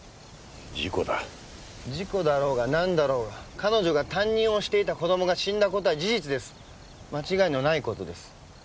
事故だ事故だろうが何だろうが彼女が担任をしていた子どもが死んだことは事実です間違いのないことです